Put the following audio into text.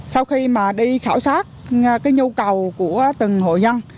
sau khi mà đi khảo sát cái nhu cầu của từng hội dân